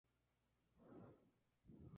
Hicks nació en Nueva Orleans, Luisiana.